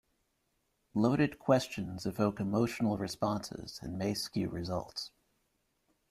Loaded questions evoke emotional responses and may skew results.